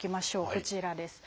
こちらです。